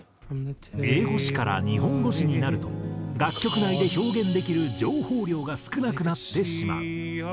英語詞から日本語詞になると楽曲内で表現できる情報量が少なくなってしまう。